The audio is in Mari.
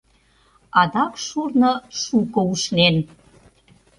Адак шурно шуко ушнен.